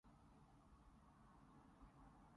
答應我下生一定要過得幸福